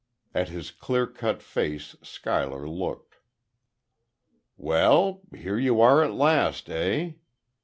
At his clear cut face Schuyler looked. "Well, here you are at last, eh?